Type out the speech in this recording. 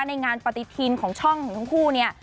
ในงานปฏิทินของช่องของทั้งคู่เนี่ย